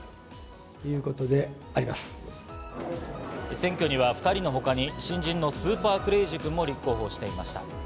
選挙には２人のほかに新人のスーパークレイジー君も立候補していました。